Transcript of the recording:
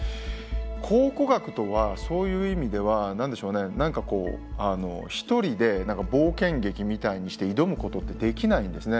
考古学とはそういう意味では何でしょうね何かこう１人で冒険劇みたいにして挑むことってできないんですね。